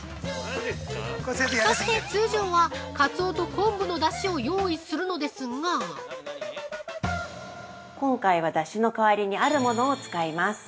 ◆そして通常は、カツオと昆布のだしを用意するのですが今回はだしの代わりにあるものを使います。